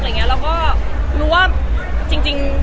แล้วก็รู้ว่าจริง